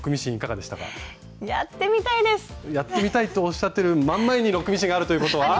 やってみたいとおっしゃってる真ん前にロックミシンがあるということは。